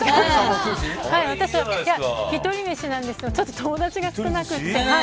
１人飯なんですけど友達が少なくて。